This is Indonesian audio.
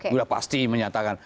sudah pasti menyatakan